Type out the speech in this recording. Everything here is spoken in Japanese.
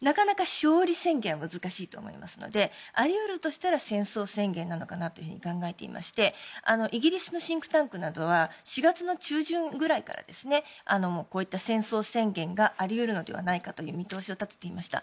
なかなか勝利宣言は難しいと思いますのであり得るとしたら戦争宣言かなと考えていましてイギリスのシンクタンクなどは４月の中旬くらいからこういった戦争宣言があり得るのではないかという見通しを立てていました。